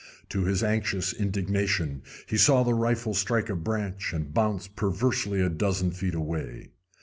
To his anxious indignation he saw the rifle strike a branch and bounce perversely a dozen feet away.